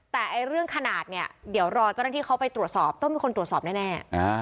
แต่เรื่องขนาดเนี่ยเดี๋ยวรอเจ้าหน้าที่เขาไปตรวจสอบต้องมีคนตรวจสอบแน่